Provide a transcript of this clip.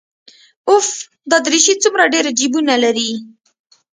اوف دا دريشي څومره ډېر جيبونه لري.